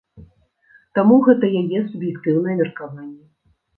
Таму гэта яе суб'ектыўнае меркаванне.